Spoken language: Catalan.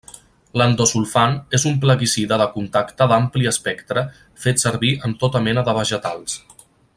L'endosulfan és un plaguicida de contacte d'ampli espectre fet servir en tota mena de vegetals.